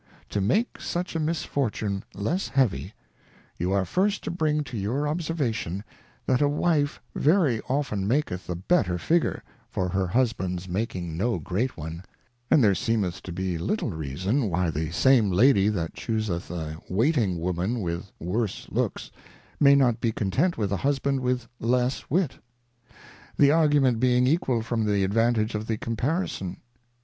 To make such a Misfortune less heavy, you are first to bring to your Observation, That a Wife very often maketh the better Figure, for her Husband'^ making no great one : And there seemeth to be little reason, vi^hy the same Lady that chuseth a Waiting Woman with worse Looks, may not be content with a Husband with less Wit; the Argument being equal from the advantage of the Comparison.